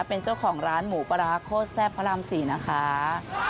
เป็นเจ้าของร้านหมูปลาร้าโคตรแซ่บพระราม๔นะคะ